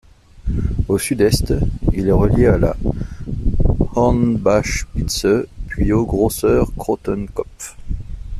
Au sud-est, il est relié à la Hornbachspitze puis au Grosser Krottenkopf.